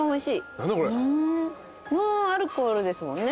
ノンアルコールですもんね？